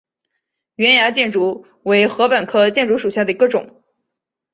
圆芽箭竹为禾本科箭竹属下的一个种。